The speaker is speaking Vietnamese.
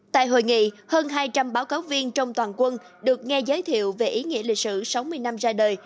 tại hội nghị hơn hai trăm linh báo cáo viên trong toàn quân được nghe giới thiệu về ý nghĩa lịch sử sáu mươi năm ra đời